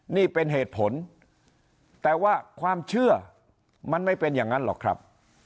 นี่เป็นเหตุผลแต่ว่าความเชื่อมันไม่เป็นอย่างนั้นหรอกครับ